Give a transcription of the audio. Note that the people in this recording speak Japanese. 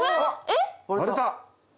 えっ？